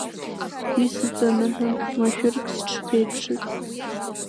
Сгәы исыҵанаҳәон машәырк шысԥеиԥшыз.